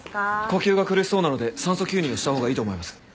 呼吸が苦しそうなので酸素吸入をしたほうがいいと思います。